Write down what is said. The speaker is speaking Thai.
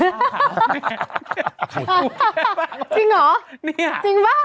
เป็นการกระตุ้นการไหลเวียนของเลือด